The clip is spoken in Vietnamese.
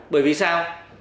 bởi vì sao